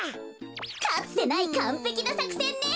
かつてないかんぺきなさくせんね。